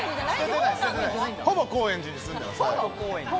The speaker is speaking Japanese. ほぼ高円寺に住んでます。